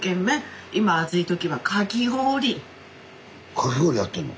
かき氷やってんの？